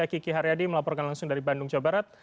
kiki haryadi melaporkan langsung dari bandung jawa barat